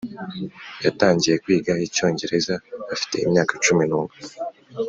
yatangiye kwiga icyongereza afite imyaka cumi n'umwe.